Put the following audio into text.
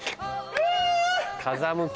風向き。